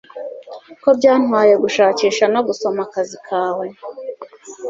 ko byantwaye gushakisha no gusoma akazi kawe